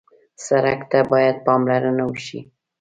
سړک ته باید پاملرنه وشي.